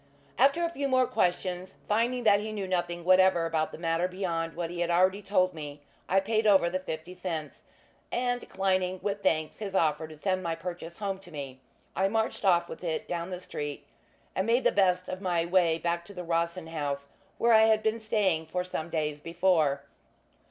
After a few more questions, finding that he knew nothing whatever about the matter beyond what he had already told me, I paid over the fifty cents; and, declining with thanks his offer to send my purchase home to me, I marched off with it down the street, and made the best of my way back to the Rossin House, where I had been staying for some days before.